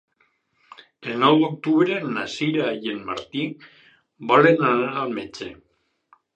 El nou d'octubre na Sira i en Martí volen anar al metge.